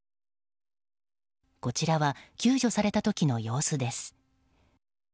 こちらは救助された時の様子です。